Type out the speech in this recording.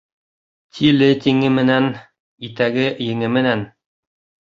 Тиле тиңе менән, итәге-еңе менән.